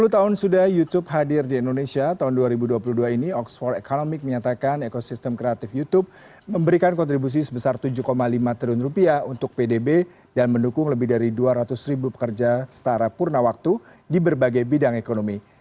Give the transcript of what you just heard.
sepuluh tahun sudah youtube hadir di indonesia tahun dua ribu dua puluh dua ini oxford economic menyatakan ekosistem kreatif youtube memberikan kontribusi sebesar tujuh lima triliun rupiah untuk pdb dan mendukung lebih dari dua ratus ribu pekerja setara purna waktu di berbagai bidang ekonomi